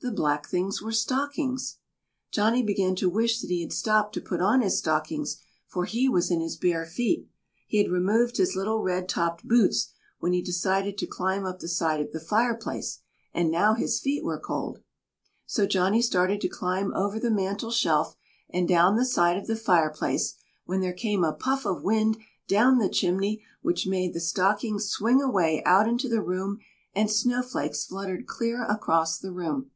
The black things were stockings. Johnny began to wish that he had stopped to put on his stockings, for he was in his bare feet. He had removed his little red topped boots when he decided to climb up the side of the fireplace and now his feet were cold. So Johnny started to climb over the mantel shelf and down the side of the fireplace when there came a puff of wind down the chimney which made the stockings swing away out into the room, and snowflakes fluttered clear across the room.